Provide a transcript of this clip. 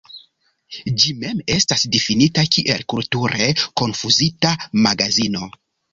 Ĝi mem estas difinita kiel "kulture konfuzita magazino".